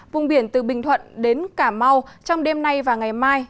vùng biển từ bình thuận đến cà mau trong đêm nay và ngày mai